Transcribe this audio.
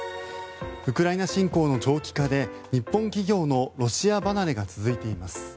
ウクライナ侵攻の長期化で日本企業のロシア離れが続いています。